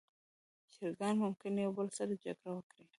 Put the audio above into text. چرګان ممکن یو بل سره جګړه وکړي.